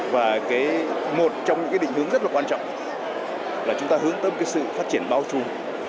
và một trong những định hướng rất là quan trọng là chúng ta hướng tâm sự phát triển bao trùm